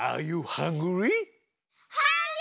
ハングリー！